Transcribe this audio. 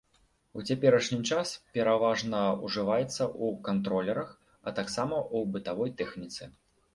У цяперашні час пераважна ўжываецца ў кантролерах, а таксама ў бытавой тэхніцы.